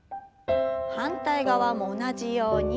反対側も同じように。